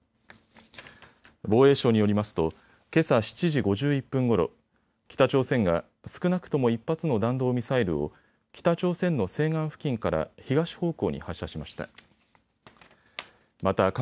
防衛省によりますとけさ７時５１分ごろ、北朝鮮が少なくとも１発の弾道ミサイルを北朝鮮の西岸付近から東方向に発射しました。